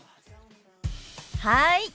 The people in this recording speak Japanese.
はい！